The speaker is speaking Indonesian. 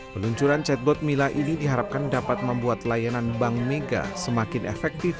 peluncuran chatbot mila ini diharapkan dapat membuat layanan bank mega semakin efektif